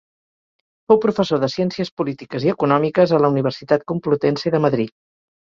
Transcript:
Fou professor de Ciències Polítiques i Econòmiques a la Universitat Complutense de Madrid.